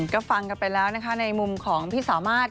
ก็ฟังกันไปแล้วนะคะในมุมของพี่สามารถ